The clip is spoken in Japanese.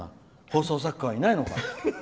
放送作家はいないのか？